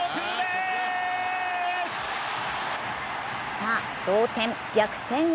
さあ同点、逆転へ。